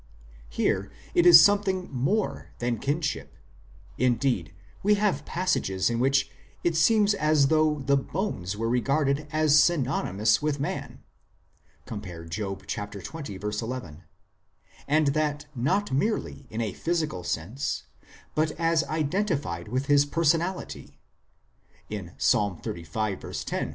Here it is something more than kinship ; indeed, we have passages in which it seems as though the bones were regarded as synonymous with man (cp. Job xx. 11), and that not merely in a physical sense, but as identified with his personality ; in Ps. xxxv. 10, e.g.